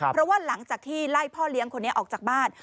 เพราะว่าหลังจากที่ไล่พ่อเลี้ยงคนนี้ออกจากบ้าน